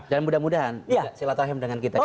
dan mudah mudahan silatohim dengan kita juga